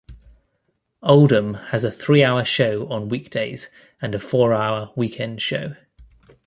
Oldham has a three-hour show on weekdays and a four-hour weekend show.